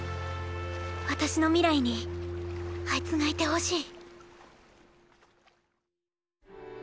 私の未来にあいつがいてほしい。